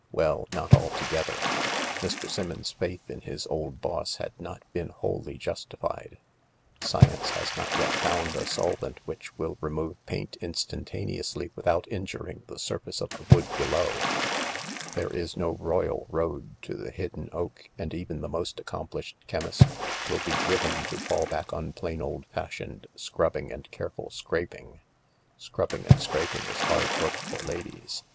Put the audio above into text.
Well, not altogether. Mr. Summons's faith in his old boss had not been wholly justified. Science has not yet found a solvent which wiU remove paint instantaneously without injuring the surface of the wood below. There is no royal road to the hidden oak, and even the most accomplished chemist will be driven to fall back on plain old fashioned scrubbing and careful scraping. Scrubbing and scraping is hard work for ladies.